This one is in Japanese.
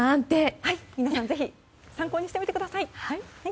皆さんもぜひ参考にしてみてください。